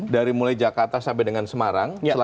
dari mulai jakarta sampai dengan semarang